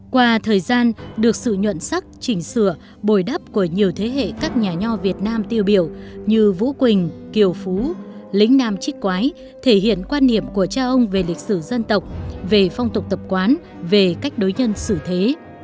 qua thời gian được sự nhuận sắc chỉnh sửa bồi đắp của nhiều thế hệ các nhà nho việt nam tiêu biểu như vũ quỳnh kiều phú lĩnh nam trích quái thể hiện quan niệm của cha ông về lịch sử dân tộc về phong tục tập quán về cách đối nhân xử thế